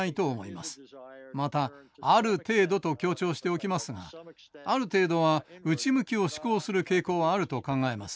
また「ある程度」と強調しておきますがある程度は内向きを志向する傾向はあると考えます。